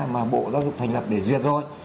mà bộ giáo dục thành lập để duyệt rồi